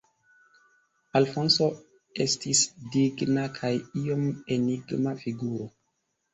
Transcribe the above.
Alfonso estis digna kaj iom enigma figuro.